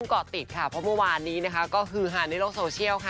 เกาะติดค่ะเพราะเมื่อวานนี้นะคะก็คือฮาในโลกโซเชียลค่ะ